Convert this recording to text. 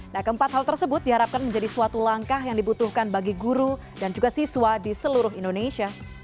nah keempat hal tersebut diharapkan menjadi suatu langkah yang dibutuhkan bagi guru dan juga siswa di seluruh indonesia